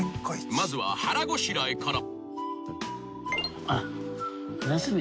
まずは腹ごしらえから］